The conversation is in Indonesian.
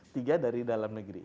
tiga dari dalam negeri